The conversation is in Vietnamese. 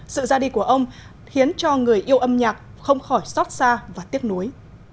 sự ra đi của ông khiến cho người yêu âm nhạc không khỏi xót xa và tiếc nuối